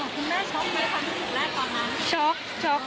คุณแม่ช็อกไหมความรู้สึกแรกต่อมา